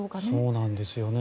そうなんですよね。